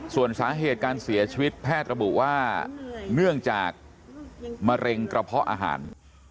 ส่วนสาเหตุการเสียชีวิตแพทย์ระบุว่าเนื่องจากมะเร็งกระเพาะอาหาร